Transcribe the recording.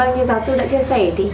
như giáo sư đã chia sẻ